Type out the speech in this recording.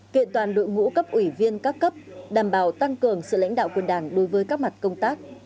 kiện toàn đội ngũ cấp ủy viên các cấp đảm bảo tăng cường sự lãnh đạo của đảng đối với các mặt công tác